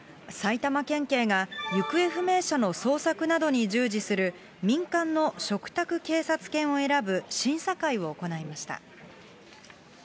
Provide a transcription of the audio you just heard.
埼玉県警が行方不明者の捜索などに従事する、民間の嘱託警察犬を選ぶ審査会を行いました。